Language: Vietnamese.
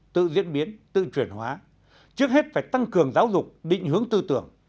tự diễn biến tự chuyển hóa trước hết phải tăng cường giáo dục định hướng tư tưởng